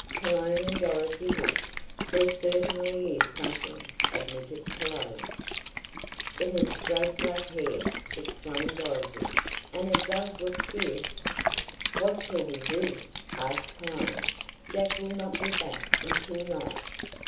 Cologne and Dorothy looked. "There certainly is something," admitted Cologne. "It has straight black hair," exclaimed Dorothy, "and it does look fierce!" "What shall we do?" asked Cologne. "Jack will not be back until night."